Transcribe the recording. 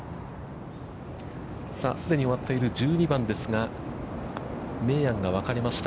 さあ、既に終わっている１２番ですが、明暗が分かれました。